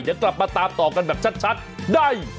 เดี๋ยวกลับมาตามต่อกันแบบชัดได้